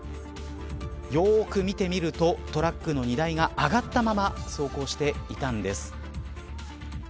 よく見てみるとトラックの荷台が上がったまま走行していたんです。